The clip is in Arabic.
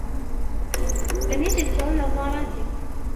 لم يجد توم نظاراته.